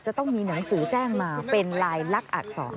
จะต้องมีหนังสือแจ้งมาเป็นลายลักษณอักษร